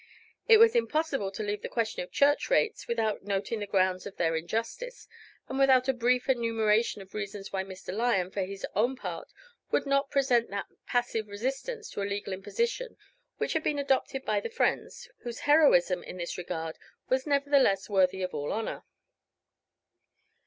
It was impossible to leave the question of church rates without noting the grounds of their injustice, and without a brief enumeration of reasons why Mr. Lyon, for his own part, would not present that passive resistance to a legal imposition which had been adopted by the Friends (whose heroism in this regard was nevertheless worthy of all honor).